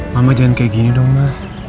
mama jangan kayak gini dong mah